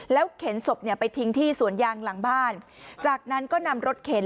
เข็นศพเนี่ยไปทิ้งที่สวนยางหลังบ้านจากนั้นก็นำรถเข็น